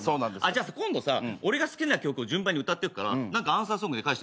じゃあ今度さ俺が好きな曲を順番に歌ってくから何かアンサーソングで返してみてよ。